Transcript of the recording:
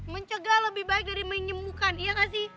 mencegah lebih baik dari menyembuhkan iya nggak sih